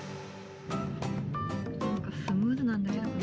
なんかスムーズなんだけど。